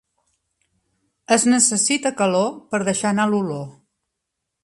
Es necessita calor per deixar anar l'olor.